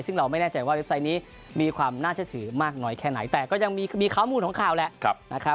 ซึ่งเราไม่แน่ใจว่าเว็บไซต์นี้มีความน่าเชื่อถือมากน้อยแค่ไหนแต่ก็ยังมีข้อมูลของข่าวแหละนะครับ